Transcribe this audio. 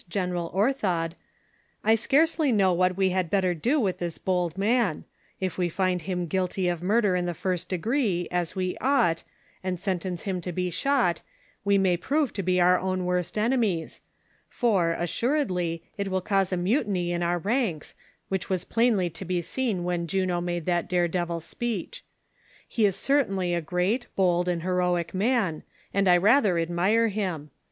General Orthod, •' I scai'cely know what we had better do with this bold man ; if we find him guilty of murder in the first degree, as we ouglit, and sentence him to be shot, we may prove to be our oAvn worst enemies ; for, assuredly, it will cause a mutiny in our ranks, which was plainly to be seen when Juno made that dare devil speech. He is certainly a great, bold and lieroic man, and I rather admire him.